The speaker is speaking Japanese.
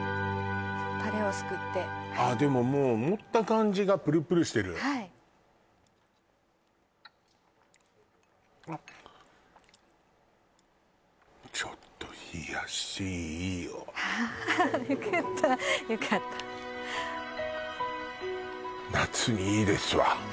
タレをすくってあっでももう持った感じがプルプルしてるはいあっちょっと冷やしいいよああよかったよかった夏にいいですわ